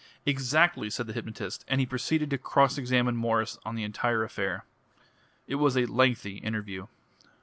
"Exactly," said the hypnotist. And he proceeded to cross examine Mwres on the entire affair. It was a lengthy interview.